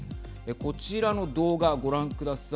こちらの動画ご覧ください。